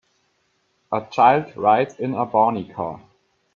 A child rides in a Barney car.